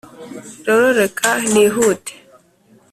rero reka nihute!